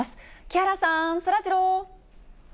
木原さん、そらジロー。